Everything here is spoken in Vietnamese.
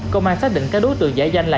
công an xác định các đối tượng giải danh là